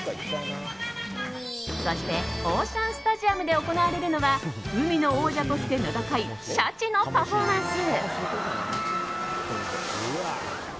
そして、オーシャンスタジアムで行われるのは海の王者として名高いシャチのパフォーマンス。